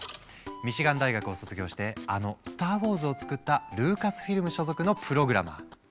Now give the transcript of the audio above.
ミシガン大学を卒業してあの「スター・ウォーズ」を作ったルーカスフィルム所属のプログラマー。